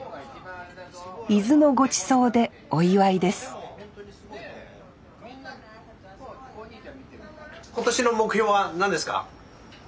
伊豆のごちそうでお祝いです今年の目標は何ですか？